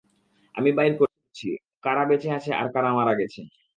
আমি বাইর করছি, কারা বেঁচে আছে, আর কারা মারা গেছে।